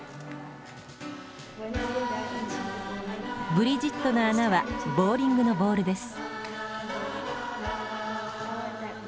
ブリジットの穴はボウリングのボールです。